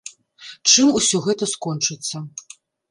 Чым усё гэта скончыцца.